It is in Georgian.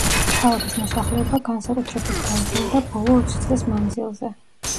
ქალაქის მოსახლეობა განსაკუთრებით გაიზარდა ბოლო ოცი წლის მანძილზე.